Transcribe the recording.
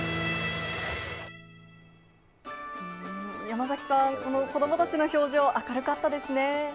山崎さん、子どもたちの表情、明るかったですね。